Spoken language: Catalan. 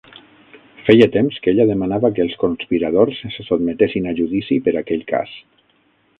Feia temps que ella demanava que els conspiradors se sotmetessin a judici per aquell cas.